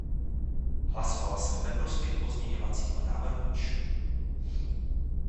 Hlasovala jsem ve prospěch pozměňovacího návrhu č.